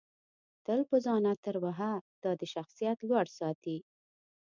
تل په ځان عطر وهه دادی شخصیت لوړ ساتي